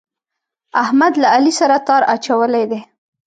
احمد له علي سره تار اچولی دی.